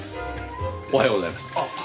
おはようございます。